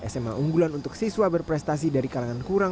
sma unggulan untuk siswa berprestasi dari kalangan kurang